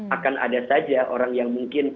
akan ada saja orang yang mungkin